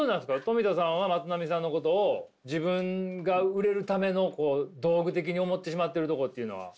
トミタさんはまつなみさんのことを自分が売れるための道具的に思ってしまってるとこというのは？